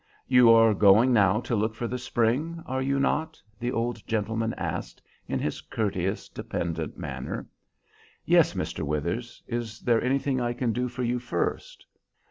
"You are going now to look for the spring, are you not?" the old gentleman asked, in his courteous, dependent manner. "Yes, Mr. Withers. Is there anything I can do for you first?"